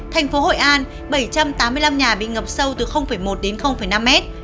thành phố hội an bảy trăm tám mươi năm nhà bị ngập sâu từ một đến năm mét